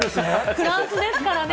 フランスですからね。